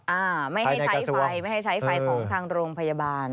ไม่ให้ใช้ไฟของทางโรงพยาบาล